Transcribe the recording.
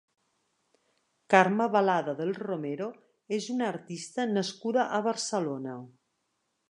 Carme Balada del Romero és una artista nascuda a Barcelona.